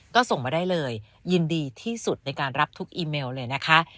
ก็ส่งมาได้เลยยินดีที่สุดในการรับทุกอีเมลเลยนะคะ